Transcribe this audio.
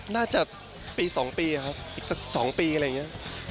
น่าจะปี๒ปีครับอีกสัก๒ปีอะไรอย่างนี้